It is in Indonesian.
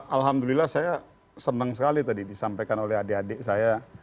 alhamdulillah saya senang sekali tadi disampaikan oleh adik adik saya